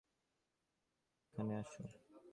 এখানে আসো এখানে আসো।